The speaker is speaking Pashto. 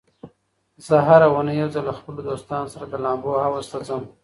زه هره اونۍ یو ځل له خپلو دوستانو سره د لامبو حوض ته ځم.